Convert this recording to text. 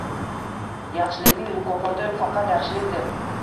Yaxshilikning mukofoti faqat yaxshilikdir